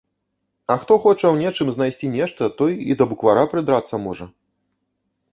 А хто хоча ў нечым знайсці нешта, той і да буквара прыдрацца можа.